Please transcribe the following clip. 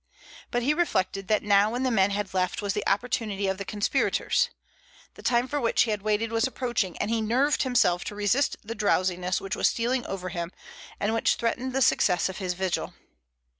But he reflected that now when the men had left was the opportunity of the conspirators. The time for which he had waited was approaching, and he nerved himself to resist the drowsiness which was stealing over him and which threatened the success of his vigil.